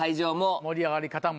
盛り上がり方も見たら。